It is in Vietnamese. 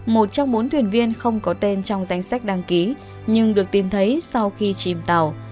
một trong bốn thuyền viên không có tên trong danh sách đăng ký nhưng được tìm thấy sau khi chìm tàu